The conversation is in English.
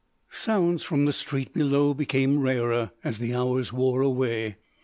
Sounds from the street below became rarer as the hours wore away.